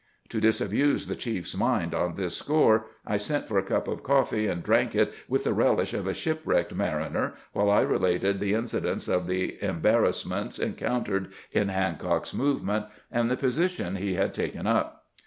To disabuse the chiefs mind on this score, I sent for a cup of coffee, and drank it with the relish of a shipwrecked mariner, while I related the incidents of the embarrassments encoun tered in Hancock's movement, and the position he had 102 CAMPAIGNING WITH GKANT taken up.